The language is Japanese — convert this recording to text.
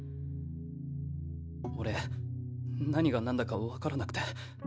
俺何が何だか分からなくて。